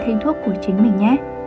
và thêm thuốc của chính mình nhé